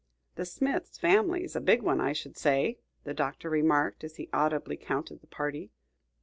"The Smith family's a big one, I should say," the Doctor remarked, as he audibly counted the party.